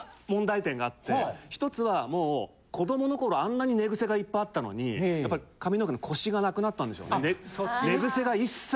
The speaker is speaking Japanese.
１つはもう子供の頃あんなに寝癖がいっぱいあったのにやっぱり髪の毛のコシがなくなったんでしょうね。